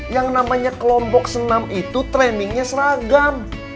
yang namanya kelompok senam itu trainingnya seragam